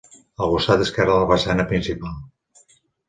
Al costat esquerre de la façana principal.